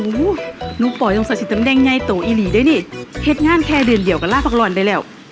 โอ้โหหนูปลอยต้องสะชิดตำแดงใยโตอีหลีด้วยนี่เห็ดงานแค่เดือนเดียวกับลาพักรอนได้แล้ว